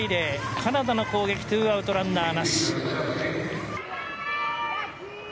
カナダの攻撃２アウト、ランナーなし。